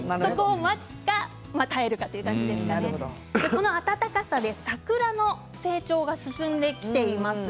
この暖かさで桜の成長が進んできています。